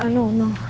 jangan sekali lah